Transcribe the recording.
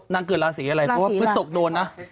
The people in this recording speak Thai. นั่งเกิดลาศีอะไรเพื่อสกโดนนะ